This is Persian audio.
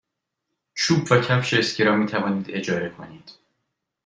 چوب و کفش اسکی را می توانید اجاره کنید.